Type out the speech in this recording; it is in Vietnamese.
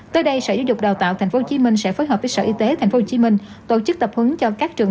tới đây sở giáo dục đào tạo tp hcm sẽ phối hợp với sở y tế tp hcm tổ chức tập huấn cho các trường